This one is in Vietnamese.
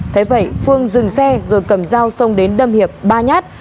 thế vậy phương dừng xe rồi cầm dao xông đến đâm hiệp ba nhát